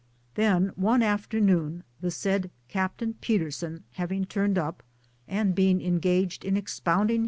Then one afternoon, the said Captain Peterson having turned up and being engaged in expounding!